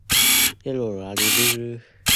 屌你諗左去邊呀